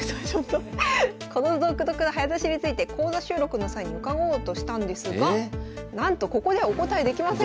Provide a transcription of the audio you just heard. この独特な早指しについて講座収録の際に伺おうとしたんですがなんと「ここではお答えできません」。